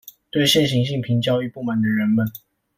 對現行性平教育不滿的人們